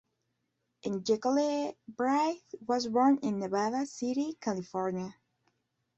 Englebright was born in Nevada City, California.